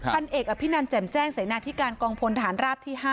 พันเอกอภินันแจ่มแจ้งเสนาธิการกองพลฐานราบที่๕